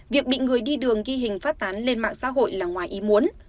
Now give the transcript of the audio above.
việc bị người đi đường ghi hình phát tán lên mạng xã hội là ngoài ý muốn